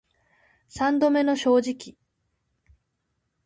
三度目の正直